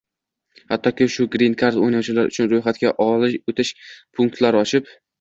hattoki shu «Grin kard» o‘ynovchilar uchun ro‘yxatga o‘tish punktlari ochib